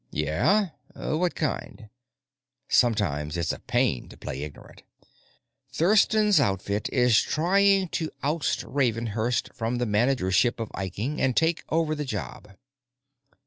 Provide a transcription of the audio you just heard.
"Yeah? What kind?" Sometimes it's a pain to play ignorant. "Thurston's outfit is trying to oust Ravenhurst from the managership of Viking and take over the job.